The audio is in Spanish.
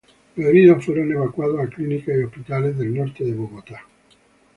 Los heridos fueron evacuados a clínicas y hospitales del norte de Bogotá.